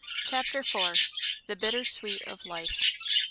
CHAPTER IV. The Bitter sweet of Life.